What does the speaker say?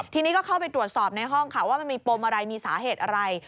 ทีนี้ก็เข้าไปตรวจสอบในห้องค่ะว่ามันมีปมอะไรมีสาเหตุอะไร